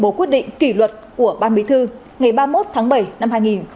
bố quyết định kỷ luật của ban bí thư ngày ba mươi một tháng bảy năm hai nghìn một mươi chín